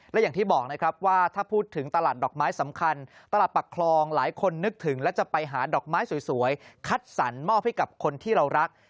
และอย่างที่บอกนะครับว่าถ้าพูดถึงตลาดดอกไม้สำคัญตลาดปักคลองหลายคนนึกถึงและจะไปหาดอกไม้สวยคัดสรรมอบให้กับคนที่เรารัก